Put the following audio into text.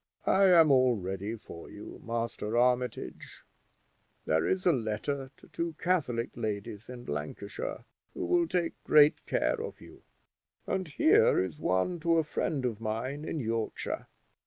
"I am all ready for you, Master Armitage; there is a letter to two Catholic ladies in Lancashire, who will take great care of you; and here is one to a friend of mine in Yorkshire.